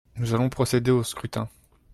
Nous allons procéder au scrutin.